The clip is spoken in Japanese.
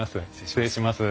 失礼します。